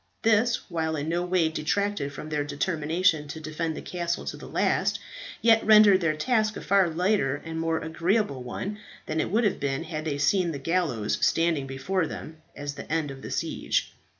This, while it in no way detracted from their determination to defend the castle to the last, yet rendered their task a far lighter and more agreeable one than it would have been had they seen the gallows standing before them as the end of the siege.